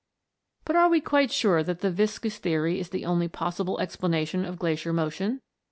But are we quite sure that the viscous theory is the only possible explanation of glacier motion?